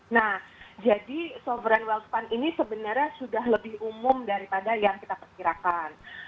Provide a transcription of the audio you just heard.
nah jadi sovereign wealth fund ini sebenarnya sudah lebih umum daripada yang kita perkirakan